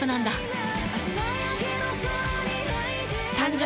誕生。